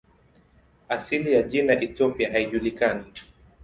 Asili ya jina "Ethiopia" haijulikani.